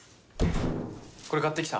これ買ってきた。